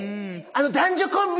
男女コンビ？